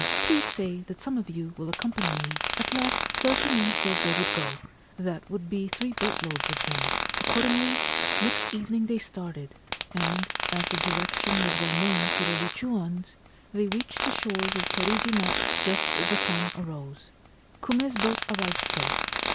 Please say that some of you will accompany me/ At last thirty men said they would go ; that would be three boat loads of them. Accordingly, next evening they started, and, as the direction was well known to the Loochooans, they reached the shores of Torijima just as the sun arose. Kume's boat arrived first.